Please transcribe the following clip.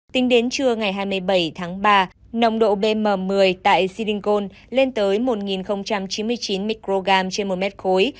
tính đến trưa ngày hai mươi bảy tháng ba nồng độ bm một mươi tại sidingon lên tới một chín mươi chín microgram trên một mét khối